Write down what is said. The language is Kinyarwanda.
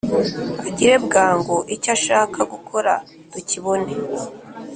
agire bwangu icyo ashaka gukora tukibone.